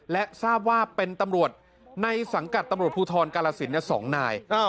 และทราบว่าเป็นตำรวจในสังกัดตำรวจภูทรกาลสิน๒นาย